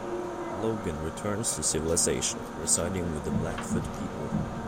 Logan returns to civilization, residing with the Blackfoot people.